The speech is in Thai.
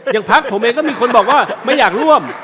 อย่างพรรคผมเองก็มีคนบอกว่าไม่อยากร่วม